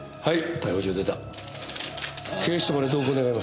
はい？